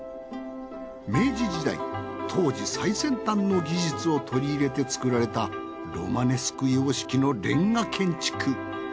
明治時代当時最先端の技術を取り入れて作られたロマネスク様式のレンガ建築。